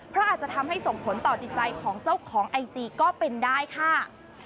เพราะอาจจะทำให้ส่งผลต่อจิตใจของเจ้าของไอจีก็เป็นได้ค่ะ